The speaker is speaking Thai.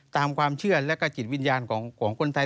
ตามความเชื่อและก็จิตวิญญาณของคนไทย